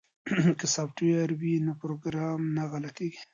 که سافټویر وي نو پروګرام نه غلطیږي.